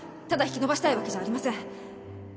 ただ引き延ばしたいわけじゃありません